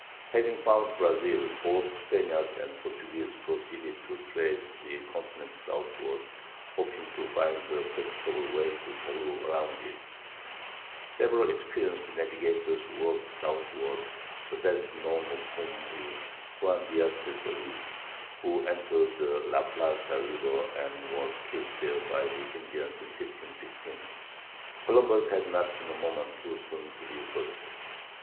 Having found Brazil, both Spaniards and Portuguese proceeded to trace the continent southward, hoping to find a practicable way to Peru around it. Several experienced navigators worked southward, the best known of whom is Juan Diaz de Solis, who entered the La Plata River and was killed there by the Indians in 1516. Columbus had not been a moment too soon to be first.